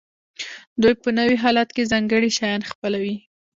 دوی په نوي حالت کې ځانګړي شیان خپلوي.